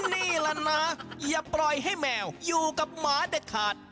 นี่แหละนะอย่าปล่อยให้แมวอยู่กับหมาเด็ดขาด